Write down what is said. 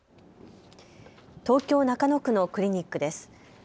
東京中野区のクリニックです。